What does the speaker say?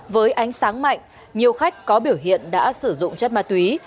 với ánh sáng mạnh nhiều khách có biểu hiện đã sử dụng chất ma túy